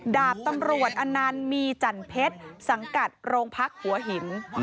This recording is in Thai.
ดาบตำรวจอนันต์มีจันเพชรสังกัดโรงพักหัวหิน